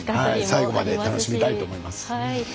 最後まで楽しみたいと思います。